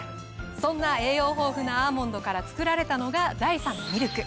そんな栄養豊富なアーモンドから作られたのが。